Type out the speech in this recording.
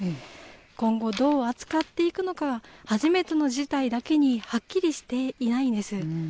今後、どう扱っていくのか、初めての事態だけに、はっきりしていないんです。